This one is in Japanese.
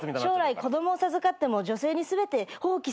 将来子供を授かっても女性に全て放棄するニシダ。